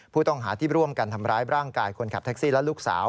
ผู้ต้องหาที่ร่วมกันทำร้ายร่างกายคนขับแท็กซี่และลูกสาว